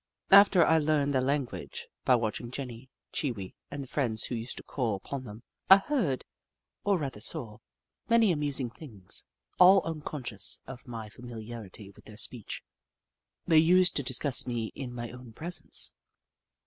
After I learned their language, by watching Jenny, Chee Wee, and the friends who used to call upon them, I heard, or rather saw, many amusing things. All unconscious of my familiarity with their speech, they used to discuss me in my own presence.